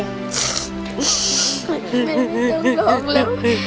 ไม่ต้องรอแหละ